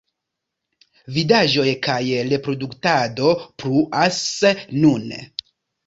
Vidaĵoj kaj reproduktado pluas nune.